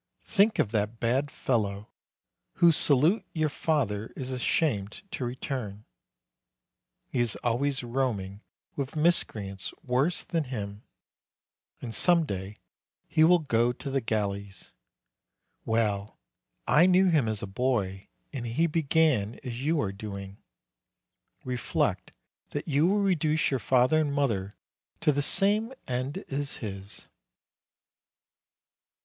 Think of that bad fellow, whose salute your father is ashamed to return : he is always roaming with miscreants worse than himself, and some day he will go to the galleys. BLOOD OF ROMAGNA 191 Well, I knew him as a boy, and he began as you are doing. Reflect that you will reduce your father and mother to the same end as his."